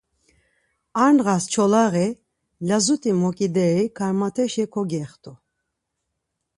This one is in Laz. Ar ndğas Çolaği, lazut̆i moǩideri karmat̆eşa kogextu.